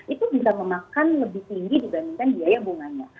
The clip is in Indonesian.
itu bisa memakan lebih tinggi dibandingkan biaya bunganya